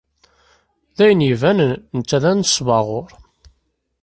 D ayen ibanen netta d anesbaɣur.